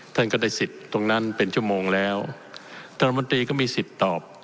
ท่านก็ได้สิทธิ์ตรงนั้นเป็นชั่วโมงแล้วท่านรัฐมนตรีก็มีสิทธิ์ตอบ